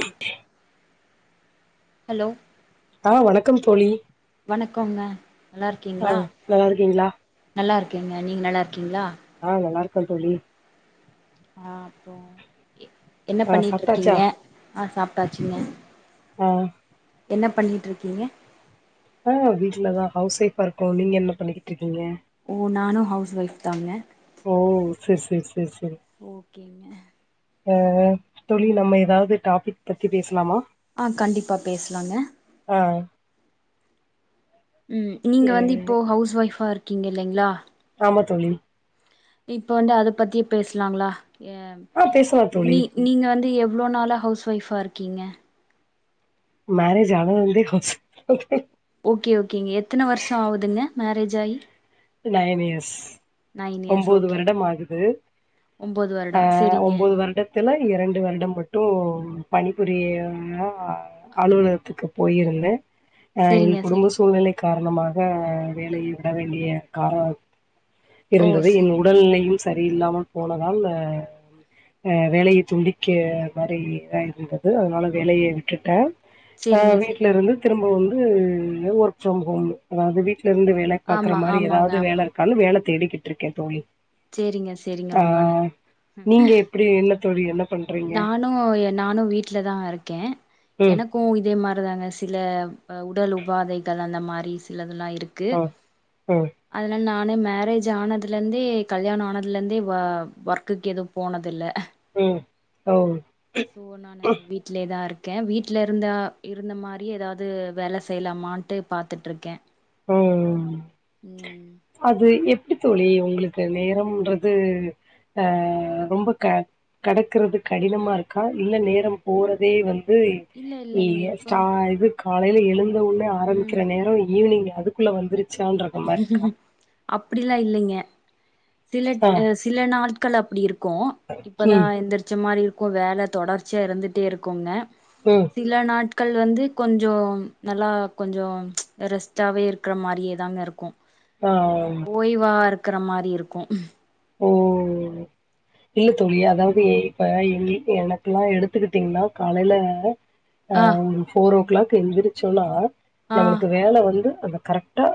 ப்ப ஹலோ ஆ வணக்கம் தோழி வணக்கோங்க நல்லா ஆ இருக்கீங்ளா நல்லா இருக்கீங்களா நல்லா இருக்கீங்க நீங்க நல்லா இருக்கீங்ளா ஆ நல்லா இருக்க தோழி ஆ அப்பறோ என்ன ஆ பண்ணிட்டு சாப்ட்டாச்சா இருக்கீங்க ஆ சாப்டாச்சுங்க ஆ என்ன பண்ணிட்ருக்கீங்க ஆ வீட்லதா ஹவுஸ் ஒய்ஃபா இருக்கோ நீங்க என்ன பண்ணிக்கிட்ருக்கீங்க ஓ நானு ஹவுஸ் ஒய்ஃப் தாங்க ஓ செரி செரி செரி செரி ஓகேங்க ஆ தோழி நம்ம எதாவது டாபிக் பத்தி பேசலாமா ஆ கண்டிப்பா பேசலாங்க ஆ ம் நீங்க ஏ வந்து இப்போ ஹவுஸ் ஒய்ஃபா இருக்கிங்க இல்லைங்ளா ஆமா தோழி இப்ப வந்து அத பத்தியே பேசலாங்களா எ ஆ பேசலா தோழி நீ நீங்க வந்து எவ்ளோ நாளா ஹவுஸ் ஒய்ஃபா இருக்கிங்க மேரேஜ் ஆனதுலருந்தே ஹவுஸ் ஒய்ஃப் ஓகே ஓகேங்க எத்தன வருஷ ஆகுதுங்க மேரேஜ் ஆயி நைன் இயர்ஸ் நைன் இயர்ஸ் ஒம்போது ஓகே வருடம் ஆகுது ஒம்போது வருடோ அ செரிங்க ஒம்போது வருட த்துல இரண்டு வருடம் மட்டு பணிபுரிய ஆ அலுவலகத்துக்கு போயிருந்த ஆ என் செரிங்க குடும்ப செரிங்க சூழ்நிலை காரணமாக வேலையை விட வேண்டிய கார ஓ இருந்தது செ என் உடல்நிலையும் சரியில்லாமல் போனதால் அ வேலையை துண்டிக்க மாரி ஆகி இருந்தது அதனால வேலையை விட்டுட்ட ஆ செரிங்க செரிங்க வீட்லருந்து திரும்ப வந்து நியூ ஒர்க் ஃப்ரம் ஹோம் அதாவது வீட்லருந்து வேலை பாக்ற ஆமா மாரி எதா ஆமாங்க ஆமா து வேல தேடிக்கிட்டு இருக்கே தோழி செரிங்க செரிங்க ஆ ரொம்ப நன் நீங்க எப் டி என்ன தோழி என்ன பண்றீங்க நானு நானு வீட்லதா இருக்கே ம் எனக் கு இதே மாரிதாங்க சில உடல் உபாதைகள் அந்த மாரி சிலதுல்லா இருக் கு ஆ ம் அதனால நானு மேரேஜ் ஆனதுலருந்தே கல்யாண ஆனதுலருந்தே ஒ ஒர்க்குக்கு எது போனதில்ல ம் ஓ சோ நானு வீட்லேதா இருக்க வீட்ல இருந்தா இருந்த மாரி எதாது வேல செய்யலாமான்ட்டு பாத்துட்ருக்கே ம் ம் ம் அது எப்டி தோழி உங்களுக்கு நேரம்ன்றது ஆ ரொம்ப க கெடைக்றது கடினமா இருக்கா இல்ல நேரம் போறதே வந் து இல்ல நீ இல்லைங்க ஸ்டா இப்ப இது காலையில எழுந்த உனே ஆரம்பிக்கற ம் நேர ஈவினிங் அதுக்குள்ள வந்துரு அப்டிலா இல்லிங்க சில ஆ அ சில நாட்கள் அப்டி இருக்கு இப்பதா ம் எந்திரிச்ச மாரி இரு க்கு வேல தொடர்ச்சியா இருந்துட்டே இருக்குங்க ம் சில நாட்கள் வந்து கொஞ்ச நல்லா கொஞ்ச ரெஸ்ட்டாவே இருக்குற மாரியே தாங்க இருக் கு ஆ ஓய்வா இருக்கற மாரி இருக்கு ஓ இல்ல தோழி அதாவது இப்ப என் எனக்குலா எடுத்துக்கிட்டிங்னா காலைல அ ஆ ஒரு ஃபோர் ஓ கிளாக் எந்திரிச்சோனா ஆ நமளுக்கு வேல வந்து அந்த கரெக்ட் டா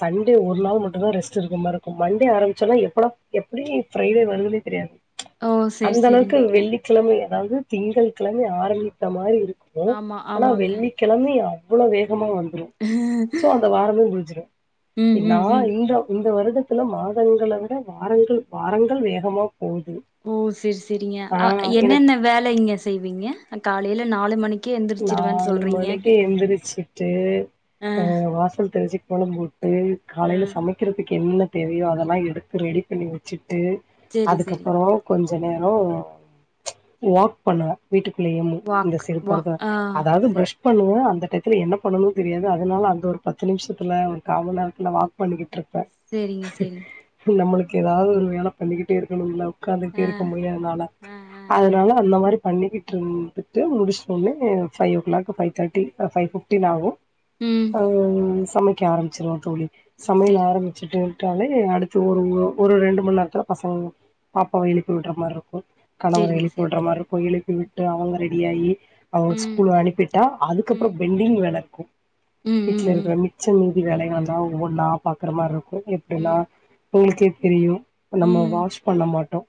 சண்டே ஒரு நாள் மட்டுந்தா ரெஸ்ட் இருக்க மார்ருக்கு மண்டே ஆரம்பிச்சனா எப்படா எப்டி ஃப்ரைடே வருதுனே தெரியாது ஓ சேரி அந்த சேரிங்க அளவுக்கு வெள்ளிக் கிழமை அதாவது திங்கள் கிழமை ஆரம்பித்த மாரி இருக்கும் ஆமா ஆனா ஆமாங்க வெள்ளி கெழமை அவ்வளோ வேகமா வந்துரும் சோ அந்த வாரமே முடிஞ்சிரும் ம் நா ம் ம் இந்த இந்த வருட த்தில மாதங்கள விட வாரங்கள் வாரங்கள் வேகமா போவுது ஓ சேரி சேரிங்க ஆ என்னென்ன வேல இங்க செய்வீங்க காலையில நாலு மணிக் நாலு மணிக்கே எந்திரிச்சுட்டு அ வாசல் தெளிச்சு கோலம் போ ட்டு அ காலையில சமைக்கிறதுக்கு என்னென்ன தேவையோ அதெல்லா எடுத்து ரெடி பண்ணி வச்சுட்டு சரி சரி. அதுக்கப்புற கொஞ்ச நேரம் வாக் பண்ணுவே வீட்டுக்குள்ளேயேமு இந்த வாக் செறுப்போட வாக் தா ஆ அதும் சரி பிரஷ் பண்ணுவே அந்த டயத்துல என்ன பண்ணணும் தெரியாது அதனால அந்த ஒரு பத்து நிமிசத்துல ஒரு காமணிநேரத்துல வாக் பண்ணிக்கிட்டு இருப்பே சேரிங்க சேரிங்க நம்மளுக்கு எதாவது ஒரு வேல பண்ணிக்கிட்டே இருக்கணும்ல ஒக்காந்து கிட்டே ஆ இருக்க முடியாதுனால ஆ ஆ ஆ அதனால அந்த மாரி பண்ணிக்கிட்டு இருந்துட்டு முடிச்சோன்னே ஃபவ் ஓ கிளாக் ஃபவ் தேட்டி ஃபை ஃபிப்டின் ஆகும் ம். அ சமைக்க ஆரம்பிச்சிருவே தோழி சமையல் சரிங்க ஆரம்பி ச்சிட்டு விட்டாலே அடுத்து ஒரு ஒரு ரெண்டு மண் நேரத்துல பசங்க பாப்பாவ எழுப்பி விட்ற மாரி இருக்கும் கணவரை சரிங்க எழுப்பி சரி. விட்ற மாரி இருக்கும் எழுப்பி விட்டு அவங்க ரெடியாகி அவங்க ம் ஸ்கூல் அனுப்பிட்டா அதுக்கப்புற ம் பென்டிங் வேல இருக்கும் ம் வீட்ல ம் இருக்கிற ம் மிச்ச மீதி வேலைகள்ந்தான் ஒவ்வொனா பாக்குற மாரி இருக்கும் எப்டின்னா ம் உங்களுக்கே தெரியும் நம்ம ம். வாஷ் பண்ண மாட்டோ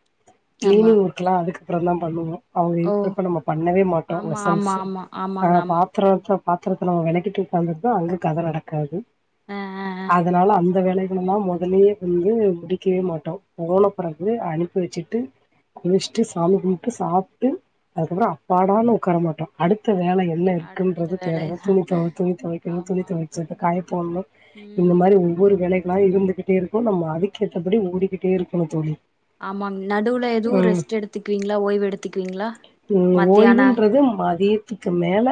ஆமா. கிளீனிங் ஒர்க் லா அதுக்கப்புறந்தா பண்ணுவோ அவங்க ஓ இருக்கிறப்ப நம்ம பண்ணவே மாட்டோம் ஆமா ஆமா வெசல்ஸ் ஆமா. அ ஆமாங்க ஆமா. பா த்திர வச்சா பாத்திரத்துல நம்ம வெளக்கிட்டு உக்காந்துருந்தா அங்க கதை நடக்காது ஆ ஆ ஆ. அதனால அந்த வேலை போன்னா மொதல்லயே வந்து முடிக்கவே மாட்டோம் போன பிறகு அனுப்பி வச்சுட்டு குளிச்சிட்டு சாமி கும்பிட்டு சாப்ட்டு அதுக்கப்புற அப்பாடான்னு உக்கார மாட்டோ அடுத்த வேல என்ன அடுத்த இருக்குன்றது வேலை. தேடனு துணி துணி தெவைக்கணு துணி ஆமா ஆமா. தொவச்த காய போட்ணு இந்த ம். மாரி ஒவ்வொரு வேலைகளா இருந்துகிட்டே இருக்கும் நம்ம அதுக்கேத்தபடி ஓடிக்கிட்டே இருக்கணும் தோழி ஆமாங் நடுவுல எதுவும் ம் ரெஸ்ட் எடுத்துக்குவீங்களா ஓய்வு எடுத்துக்குவீங்களா ம் மத்தியான ஓய்வுன்றது மதியத்துக்கு மேல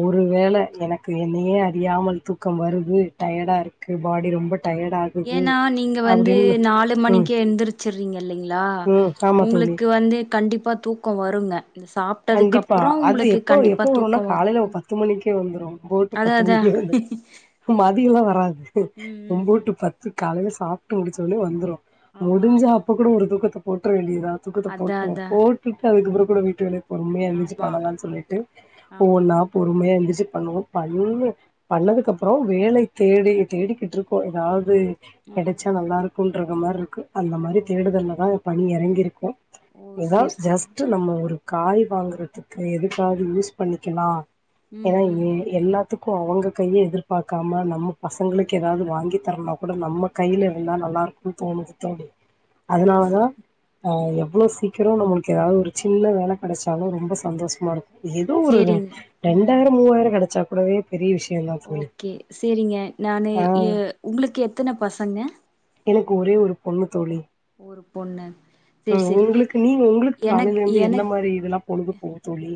ஒருவேல எனக்கு என்னையே அறியாமல் தூக்கம் வருது டயடா இருக்கு பாடி ரொம்ப டயடா ஏன்னா நீங்க வந்து நாலு ம் மணிக்கே எந்திருச்சிறீங்க இல்லைங்ளா ம் ஆமா தோழி உங்களுக்கு வந்து கண்டிப்பா தூக்கம் வருங்க சாப் கண்டிப்பா அது எப்ப எப்ப வரும்னா வரு காலையில ஒரு ம் பத்து மணிக்கே வந்துரு ஒம்போது டு அதா பத்து அதா மணிக்கே எழுந்துரு மதிய எல்லாம் வராது ம் ம் ம் ஒம்போட்டு பத்து காலையில சாப்புட்டு முடிச்சோனே வந்துரும் ஆமா முடிஞ்சா ஆமா அப்ப கூட ஒரு தூக்கத்த போட்டுர வேண்டியதா தூக்கத்த அதா போட்டோம் அதா போட் டுட்டு அதுக்கப்புற கூட வீட்டு வேலை பொறுமையா எந்துச்சு ஆமா பண்ணலாம்னு சொல்லிட்டு ஆமா ஒவ்வொன்னா பொறுமையா எந்துச்சி பண்ணுவோம் பண்ணு பண்ணதுக்கு அப்பறம் வேலை தேடி தேடிக்கிட்டு இருக்கோ எதாவ்து ஆ கெடச்சா நல்லா இருக்கும்ன்ற மாதிரி இருக்கு அந்த ஓ மாரி தேடுதல்லதா பணி எறங்கிருக்கோ ஓ எதோ சேரி சேரி ஜஸ்ட் நம்ம ஒரு காய் வாங்குறதுக்கு எதுக்காவது யூஸ் பண்ணிக்கலா ம் ஏனா ம் ஏ ம் எல்லாத் துக்கும் அவங்க கைய எதிர்பாக்காம நம்ம பசங்களுக்கு எதாவ்து வாங்கி தரனுனா கூட நம்ம கையில இருந்தா நல்லாயிருக்கு புத்தானு புத்தாண்டு ஓ அதனாலதா அ எவ்ளோ சீக்ரோ நம்மளுக்கு எதாவ்து ஒரு சின்ன வேல கெடச்சாலு ரொம்ப சந்தோஷமா இருக்கு எதோ ஒரு சேரிங் ம் ரெண்டாயிரோ மூவாயிரோ கெடச்சா கூடவே பெரிய விஷயந்தா ஓகே சேரிங்க நானு எ உங்களுக்கு எத்தன பசங்க எனக்கு ஒரே ஒரு பொண்ணு தோழி ஒரு பொண்ணு சேரி ம் சேரிங்க உங்களுக்கு நீ உங்களுக்கு எனக் காலைல இருந்து எந்த மாரி இதெல்லா பொழுது போகு தோழி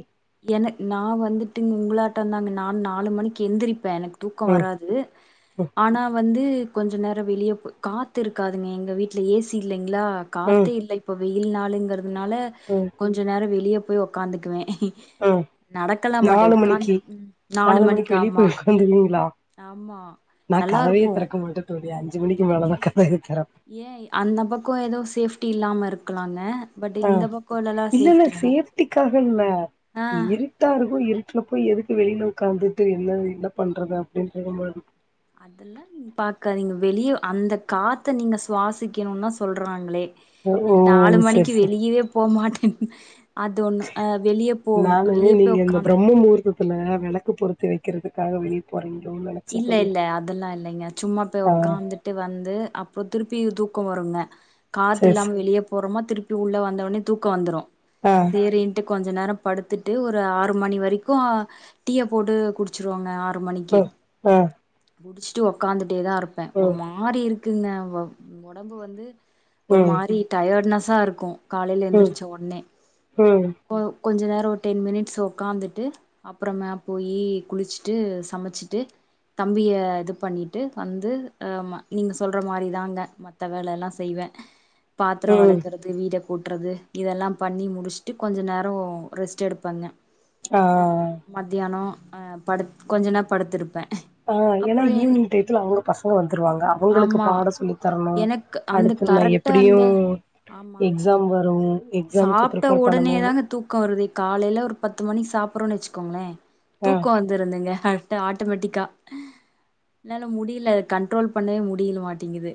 எனக் நா வந்துட்டு உங்களாட்டந்தாங்க நா நாலு மணிக்கு எந்திரிப்பே எனக்கு தூக்கோ ம் வராது ம் ஆனா வந்து கொஞ்ச நேரோ வெளிய போ காத்து இருக்காதுங்க எங்க வீட்ல ஏ சி இல்லைங்ளா ம் காத்தே இல்ல இப்ப வெயில் நாளுங்கிறதுனால ம் கொஞ்ச நேரோ வெளிய போய் உக்காந்துக்குவே ம் நடக்கல மாட்டே நாலு உக்காந்துரு நாலு மணிக்கு ஆமா வந்துருவீங்ளா ஆமா நா நல்லா கதவையே இருக்கு திறக்க மாட்டே தோழி அஞ்சு மணிக்கு மேலதா கதவையே தெறப்பே ஏ அந்த பக்கோ எதோ சேஃப்ட்டி இல்லாம இருக்கலாங்க பட் இந்த பக்கோ எல்லலா சேஃப்ட்டிங் தாங் த்திக்காக இல்ல இரு ட்டா இருக்கு இருட்ல போய் எதுக்கு வெளில உக்காந்துட்டு என்ன என்ன பண்றது அப்டின் தெரிய மாட்டிக் அதல்லா ம் பாக்கதிங்க வெளிய அந்த காத்த நீங்க சுவாசிக்கணுன் தா சொல்றாங்களே ஓ நீங்க நாலு சரி மணிக்கு சரி வெளியவே போ மாட்டேன் அது ஒன்னு அ வெளியே போன் வெளிய போய் உக்காந்துரு நம்ம ஊருக்கு இதுல வெளக்கு பொருத்தி வெக்கிறது [unintelligible] இல்ல இல்ல அதெல்லா இல்லைங்க சும்மா போய் ஆ உக்காந்துட் டு வந்து அப்றோ திருப்பி தூக்கோ வருங்க காத்து சரி இல்லாம சரி வெளிய போறோமா திருப்பி உள்ள வந்தோனே தூக்கோ வந்துரு அ சேரின்ட்டு கொஞ்ச நேரோ படுத்துட்டு ஒரு ஆறு மணி வரைக்கு டீய போட்டு குடுச் சிருவாங்க ஆறு மணிக்கு அ குடிச்சுட்டு உக்காந்துட்டே தா இருப்பே ஓ ஒரு மாரி இருக்குங்க வவ் ஒடம்பு வந்து ஒரு ம் மாரி டயர்ட்னஸா இருக்கு காலைல ம் எந்திரிச்சோனே ம் கொ கொஞ்ச நேரோ ஒரு டென் மினிட்ஸ் உக்காந்துட்டு அப்பறமே போயி குளிச்சிட்டு சமச்சிட்டு தம்பிய இது பண்ணிட்டு வந்து ஆமா நீங்க சொல்ற மாரி தாங்க மத்த வேல எல்லா செய்வே பாத்ரோ ம் வெளக்கற து வீட கூட்டுறது இதெல்லா பண்ணி முடிச்சிட்டு கொஞ்ச நேரோ ரெஸ்ட் எடுப்பேங்க அ மத்தியானோ ஆ படுத் கொஞ்ச நேர படுத்திருப்பே ஆ ஏனா அப்புறோ எங் ஈவினிங் டைத்துல அவுங்க பசங்க வந்துருவாங்க அவுங்களுக்கு ஆமா பாட சொல்லி தரணு எனக்கு அந்த அடுத்து நா எ கரெக்டா ப்படியோ அந்த எக்ஸாம் வரு எக் சாப்ட உடனே தாங்க தூக்கோ வருது காலேல ஒரு பத்து மணிக்கு சாப்புறோன் வச்சிக்கோங்கள அ தூக்கோ வந் இருந்தங்க கரெக்டா ஆட்டோமேட்டிக்கா என்னால முடில கண்ட்ரோல் பண்ணவே முடில மாட் டேங்து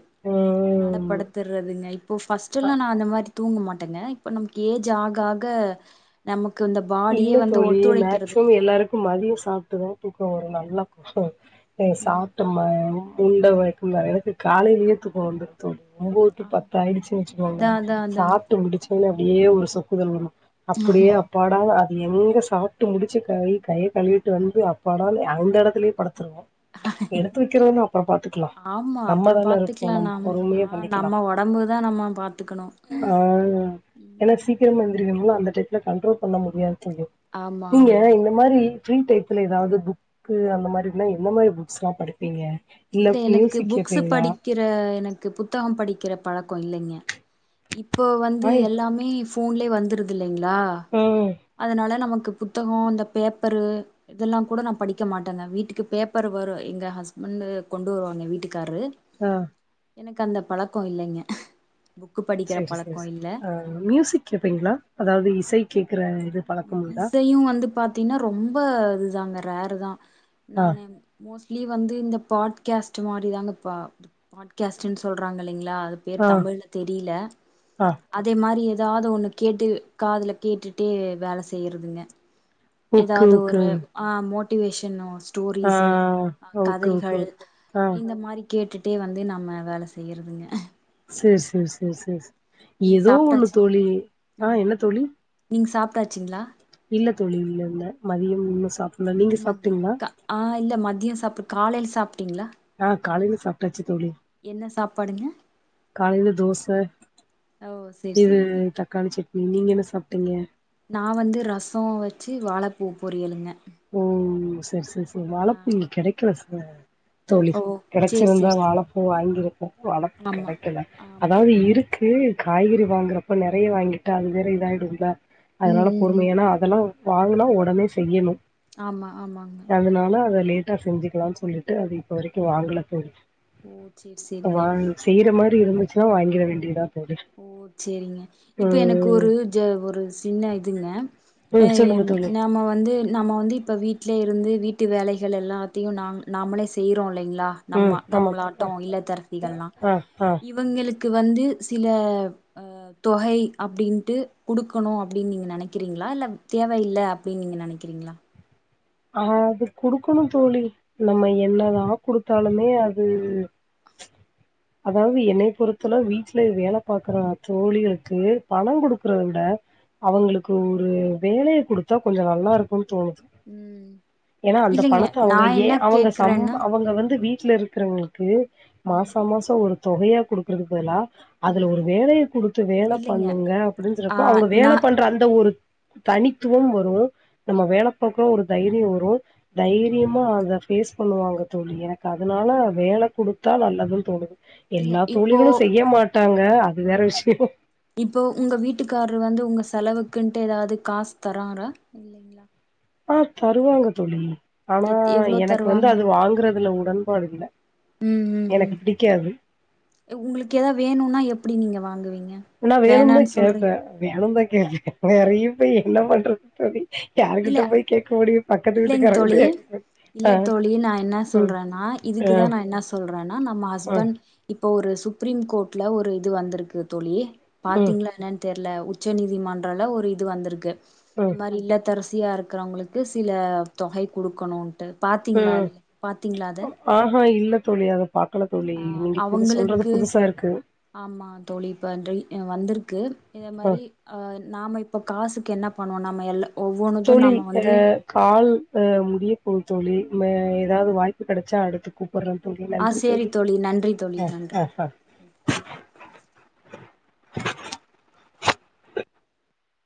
அதனால ம். படத்துர்றதுங்க இப்போ அ நா அந்த மாரி தூங்க மாட்டேங்க இப்ப நமக்கு ஏஜ் ஆக ஆக நமக்கு இந்த பாடியே இல்ல வந்து தோழி ஒத்துழைக்கிறது மேக்சிமம் இல்ல எல்லாருக்கு மதியோ சாப்ட்டுதா தூக்கோ வரு நல்லா கும் ம் சாப் டம்மேம் உண்ட வைக்கு எனக்கு காலேலயே தூக்கம் வந்துரு தோ ஒம்போது டூ ஆமா பத்தாயிடுச்சின் வச்சிகோங்க அதா அதா அதா சாப்டு முடிச்சி புள்ள அப்டியே ஒரு சொக்குதல் வரு அப்டியே அப்பா டா அது எங்க சாப்ட்டு முடிச்சி கை கைய கவிட்டு வந்து அப்பனாலு அந்த எடத்துலேயே படுத்துருவோ எடுத்து வைக்கிறதுன்னா அப்பரோ பாத்துக்கிலா ஆமா அப்புறோ நம்மதானே இருப்போ பாத்துக்கலா நம் நாம் பொறுமையேப் ஆ நம்ம உடம்புதா நம்ம பாத்துக்கணு ஏனா சீக்கிரமா எந்திரிக்கனுமமூளா அந்த டைத்தல கண்ட்ரோல் பண்ண முடியாது தோழி ஆமா நீங்க ஆமா இந்த மாரி ஃப்ரீ டயத்ல ஏதாவது புக்கு அந்த மாதிரினா எந்த மாரி புக்ஸ்லா படிப்பீங்க இல்ல மியூசிக் கேப்பேங்ளா க்கிற எனக்கு புத்தகம் படிக்கிற பழக்கோ இல்லங்க இப்போ வந்து ஆய் எல்லாமே ஃப் போன்லே வந்துருது இல்லைங்ளா உம் அதனால நமக்கு புத்தகோ இந்த பேப்பரு இதெல்லா கூட நா படிக்க மாட்டேங்க வீட்டுக்கு பேப்பர் வரு எங்க ஹஸ்பெண்டு கொண்டு வருவாங்க வீட்டுக்காரரு ஆ எனக்கு அந்த பழக்கோ இல்லங்க செரி செரி இ மியூசிக் கேப்பீங்ளா அதாவது இசை கேக்ற இது பழக்கம் உண்டா இசையு வந்து பாத்தீங்னா ரொம்ப இதுதாங்க ரேரு தா ஆ நானு மோஸ்ட்லி வந்து இந்த பாட்கேஸ்ட் மாதிரிதாங்க பா பாட்கேஸ்ட்டுன்னு சொல்றாங்க இல்லைங்ளா அது பேர் ஆ தமிழ்ல தெரில ஆ அதே மாதிரி ஏதாவது ஒன்னு கேட்டு காதுல கேட்டுட்டே வேல செய்றதுங்க ஓகே ஏதாவது ஓகே ஒரு ஆ மோட்டிவேஷன் நோட்ஸ் ஆ ஸ்டோரிஸ் ஆ ஓகே ஓகே கதைகள் ஓகே ஆ இந்த மாரி கேட்டுட்டே வந்து நம்ம வேல செய்றதுங்க சேரி சேரி சேரி சேரி சே நீங்க ஏதோ ஒன்னு தோழி ஆ என்ன தோழி நீங் சாப்டாச்சிங்ளா இல்ல தோழி இல்லல்ல மதியம் இம்ம சாப் மக்கா ஆ இல்ல மதியோ சாப்பிடு காலேல சாப்டீங்ளா ஆ காலேல சாப்டாச்சி தோழி என்ன சாப்பாடுங்க காலேல தோச ஓ சேரி இது சேரிங்க தக்காளி சட்னி நீங்க என்ன சாப்டீங்க நா வந்து ரசோ வச்சி வாழைப்பூ பொறியளுங்க ஓ செரி செரி செரி வாழப்பு கெடைக்கல சக தோழ ஓ சேரி கெடச்சிருந்தா சேரி சேரி வாழப்பு வாங்கியிருப்போ வாழப்பு ஆமா கெடைக்கல ஆமா அதாவது இரு க்கு காய்கறி வாங்குறப்போ நறைய வாங்கிட்டா அது வேற இதாயிடுள ம் அதனால ம் ம் பொறுமையானா அதெல்லா வாங்னா உடனே செய்யணு ஆமா ஆமா அதனால அத லேட்டா செஞ்சிக்கிலான்னு சொல்லிட்டு அது இப்ப வரைக்கு வாங்கல தோழி சேர் சேரிங்க செய்யிற மாரி இருந்துச்சுனா வாங்கிற வேண்டியதா தோழி ஓ சரிங்க இப்ப எனக்கு ம் ஒரு ஜ ஒரு சின்ன இதுங்க அ ம் சொல்லுங்க தோழி நம்ம வந்து நம்ம வந்து இப்போ வீட்லே இருந்து வீட்டு வேலைகள் எல்லாத்தையும் நாங் நாமளே செய்றோ இல்லைங்களா ம் நம்ம ஆமா நம்மளாட்டோ ஆ இல்லத்தரத்திகல்லா ஆ ஆ இவங்களுக்கு வந்து சில தொகை அப்படின்ட்டு குடுக்கணு அப்டின்னு நீங்க நினைக்கிறீங்களா இல்ல தேவையில்ல அப்டின்னு நினைக்கிறீங்களா அ அது குடுக்கணு தோழி நம்ம என்னதா குடுத்தாலுமே அது அதாவது என்னய பொறுத்துல வீட்ல வேல பாக்குற தோழிகளுக்கு பணம் குடுக்குறத விட அவுங்களுக்கு ஒரு வேலய குடுத்தா கொஞ்சோ நல்லா இருக்குன்னு தோணுது ம் ஏன்னா அந்த இல்லைங்க பணத்த நா அவுங்க ஏ என்ன அவுங்க சம் கேக்குறேன்னா அவுங்க வந்து ம் வீட்ல இருக்குறவங்களுக்கு க்கு ம் மாச மாச ஒரு தொகையா குடுக்குறதுக்கு பதிலா அதுல ம் ஒரு வேலய குடுத்து வேல இல்லைங்க பண்ணுங்க அப்டினு ஆ சொல்றப்ப அவுங்க நா வேல பண்ற அந்த ஒரு தனித்துவம் வரு இ நம்ம வேல பாக்குறோ ஒரு தைரியோ வரு தைரியமா அத ஃபேஸ் பண்ணுவாங்க தோழி எனக்கு அதனால வேல குடுத்தா நல்லதுன்னு தோணுது இல்ல எல்லா இப்போ தோழிகளு செய்ய மாட்டாங்க அது வேற ம் விஷயோ இப்போ உங்க வீட்டுக்காரர் வந்து உங்க செலவுக்குன்ட்டு எதாவது காசு தராறா ஆ தருவாங்க தோழி ஆனா எத் எவ்ளோ எனக்கு வந்து தருவாங்க அது வாங்குறதுல உடன்பாடு இல்ல ம் ம் எனக்கு ம் பிடிக்காது உங்களுக்கு எதாவது வேணுனா எப்டி நீங்க வாங்குவீங்க நா வேணும் தா வேணான்னு கேப்பே சொல்றீங்க வேணும் தா கேப்பே நெறய போய் என்ன பண்றது தோழி யாருகிட்ட இல்ல போய் கேட்க முடியு பக்கத்து இல்லைங் வீட்டுக்காரங் தோழி கிட்டயா கேக்க முடியு இல்ல தோழி நா என்ன சொல்றேன்னா ஆ இதுக்குதா நா என்ன சொல்றேன்னா நம்ம ஆ ஹஸ்பண்ட் இப்போ ஒரு சுப்ரீம் கோர்ட்ல ஒரு இது வந்திருக்கு தோழி ம் பாத்தீங்களா என்னனு தெர்ல உச்ச நீதிமன்றல ஒரு இது வந்திருக்கு இந்த ம் மாரி இல்லத்தரசி தியா இருக்கிறவங்களுக்கு சில தொகை குடுக்கணுன்ட்டு பாத்திங்களா ம் பாத்திங்களா அத ஆஹா இல்ல தோழி அத பாக்கல தோழி ஆ நீங்க இப்ப இது சொல்றது அவங்களுக்கு புதுசா இருக்கு ஆமா தோழி இப்பன்றி வந்திருக்கு இத மாரி ஆ நாம இப்ப காசுக்கு என்ன பண்ணுவோ நம்ம எல்லா தோழி அ கால் அ முடியப்போது தோழி எதாவது வாய்ப்பு கெடச்சா அடுத்து கூப்புரே தோழி ஆ நன்றி சேரி தோழி நன்றி தோழி நன்றி அ ஆ